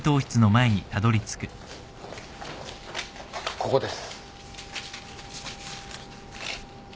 ここです。